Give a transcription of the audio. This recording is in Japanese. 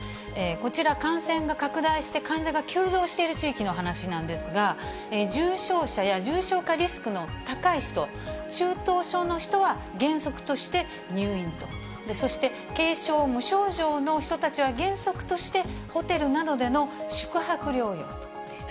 こちら、感染が拡大して患者が急増している地域の話なんですが、重症者や重症化リスクの高い人、中等症の人は原則として入院と、そして軽症・無症状の人たちは、原則としてホテルなどでの宿泊療養でした。